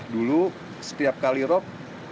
dulu setiap kali rok